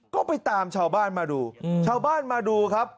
ก็ไปตามชาวบ้านมาดูชาวบ้านมาดูครับ